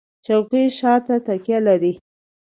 چوکۍ شاته تکیه لري.